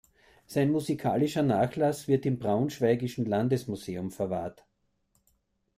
Sein musikalischer Nachlass wird im Braunschweigischen Landesmuseum verwahrt.